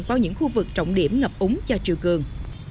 qua những khu vực trọng điểm ngập úng cho triều cường